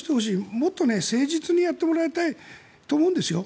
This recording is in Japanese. もっと誠実にやってもらいたいと思うんですよ。